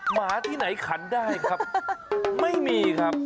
หมาที่ไหนขันได้ครับไม่มีครับ